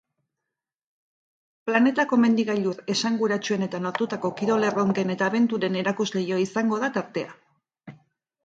Planetako mendi gailur esanguratsuenetan lortutako kirol erronken eta abenturen erakusleiho izango da tartea.